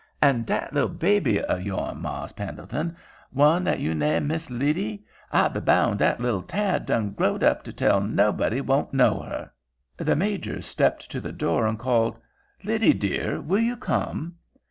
"And dat little baby of yo'n, Mars' Pendleton—one what you name Miss Lyddy—I be bound dat little tad done growed up tell nobody wouldn't know her." The Major stepped to the door and called: "Lydie, dear, will you come?"